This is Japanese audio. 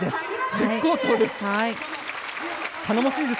絶好調です！